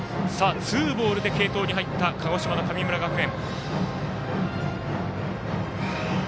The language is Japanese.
ツーボールで継投に入った鹿児島の神村学園。